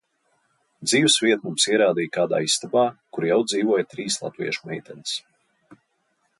Dzīves vietu mums ierādīja kādā istabā, kur jau dzīvoja trīs latviešu meitenes.